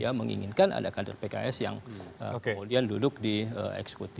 yang menginginkan ada kader pks yang kemudian duduk di eksekutif